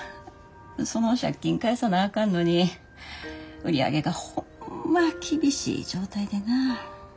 その借金返さなあかんのに売り上げがホンマ厳しい状態でな。